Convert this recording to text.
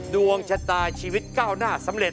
ดวงชะตาชีวิตก้าวหน้าสำเร็จ